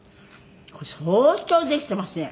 「これ相当できていますね」